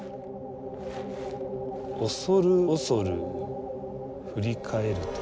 恐る恐る振り返ると。